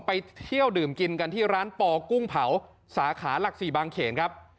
ไปเที่ยวดื่มกินกันที่ร้านปอกุ้งเผาสาขาหลัก๔บางเขนครับ